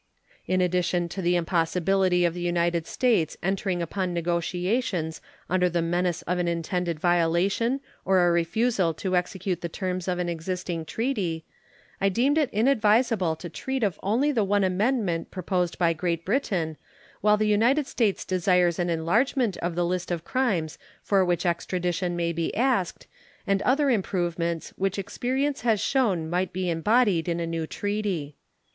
In addition to the impossibility of the United States entering upon negotiations under the menace of an intended violation or a refusal to execute the terms of an existing treaty I deemed it inadvisable to treat of only the one amendment proposed by Great Britain while the United States desires an enlargement of the list of crimes for which extradition may be asked, and other improvements which experience has shown might be embodied in a new treaty.